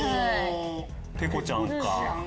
ペコちゃんか。